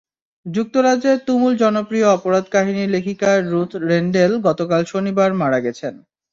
যুক্তরাজ্যের তুমুল জনপ্রিয় অপরাধ কাহিনি লেখিকা রুথ রেন্ডেল গতকাল শনিবার মারা গেছেন।